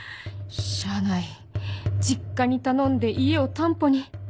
しゃあない実家に頼んで家を担保に